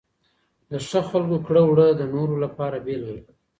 د ښه خلکو کړه وړه د نورو لپاره بېلګه وي.